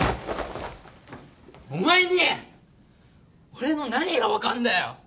お前に俺の何が分かんだよ！